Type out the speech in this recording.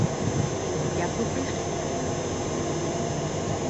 Як вы прыйшлі да такой высновы?